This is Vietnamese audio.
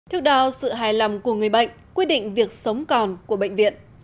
theo đo sự hài lòng của người bệnh quyết định việc sống còn của bệnh viện